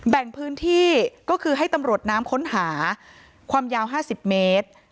แบ่งพื้นที่ก็คือให้ตำรวจน้ำค้นหาความยาว๕๐เมตร